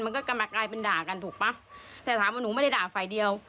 มันก็กำลังกลายเป็นด่ากันถูกป่ะแต่ถามว่าหนูไม่ได้ด่าฝ่ายเดียว